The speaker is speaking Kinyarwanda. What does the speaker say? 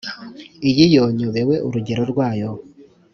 iyi yo nyobewe urugero rwayo